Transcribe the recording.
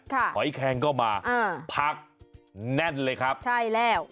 หอยแคงก็มาอ่าผักแน่นเลยครับใช่แล้ว